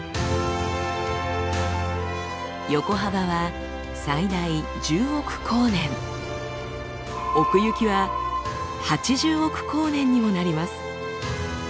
横幅は最大１０億光年奥行きは８０億光年にもなります。